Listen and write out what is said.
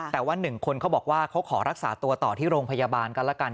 แต่ว่า๑คนเขาบอกว่าเขาขอรักษาตัวต่อที่โรงพยาบาลกันแล้วกัน